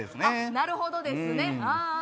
なるほどですねあぁ。